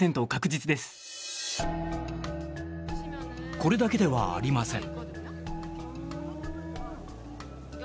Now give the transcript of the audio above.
これだけではありません。